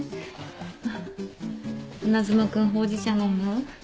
あっ花妻君ほうじ茶飲む？